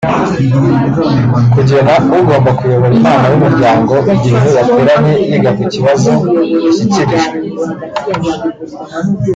kugena ugomba kuyobora inama y’umuryango igihe yateranye yiga ku bibazo yashyikirijwe